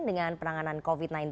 dengan penanganan covid sembilan belas